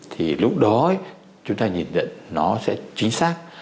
thì lúc đó chúng ta nhìn nhận nó sẽ chính xác